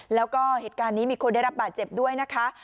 แล้วก็เหตุการณ์นี้มีคนได้รับบาดเจ็บด้วยนะคะ